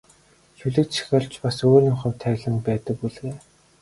Шүлэг зохиолд ч бас өөрийн хувь тавилан байдаг бүлгээ.